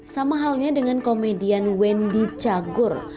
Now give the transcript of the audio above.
sama halnya dengan komedian wendy cagur